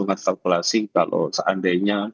masalah singkal oh seandainya